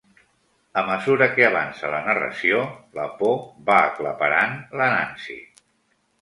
A mesura que avança la narració, la por va aclaparant la Nancy.